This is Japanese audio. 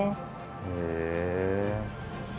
へえ。